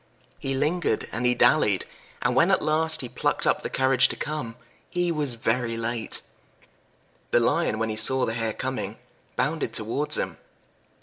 He lingered and he dallied, and when at last he plucked up courage to come, he was very late. The Lion, when he saw the Hare coming, bounded towards him.